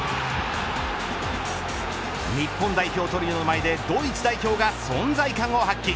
日本代表トリオの前でドイツ代表が存在感を発揮。